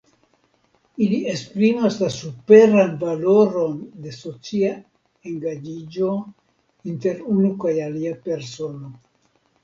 Ili esprimas la superan valoron de socia engaĝiĝo inter unu kaj alia persono.